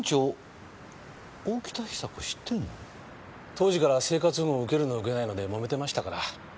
当時から生活保護を受けるの受けないので揉めてましたから。